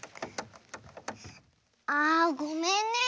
あごめんね。